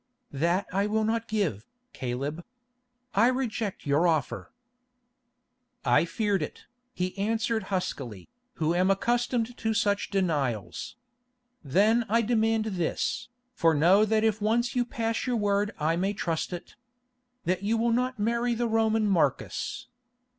"That I will not give, Caleb. I reject your offer." "I feared it," he answered huskily, "who am accustomed to such denials. Then I demand this, for know that if once you pass your word I may trust it: that you will not marry the Roman Marcus."